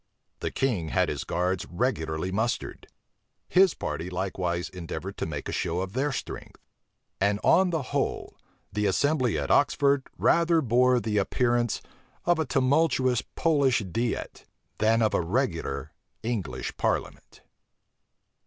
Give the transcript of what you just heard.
The king had his guards regularly mustered: his party likewise endeavored to make a show of their strength; and on the whole, the assembly at Oxford rather bore the appearance of a tumultuous Polish diet, than of a regular English parliament.